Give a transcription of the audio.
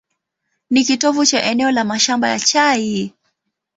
Ni kitovu cha eneo la mashamba ya chai.